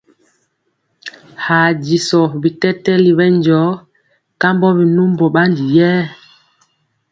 Haa disɔ bitɛtɛli ɓɛ njɔɔ kambɔ binumbɔ ɓandi yɛɛ.